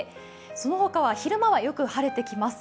その他は昼間はよく晴れてきます。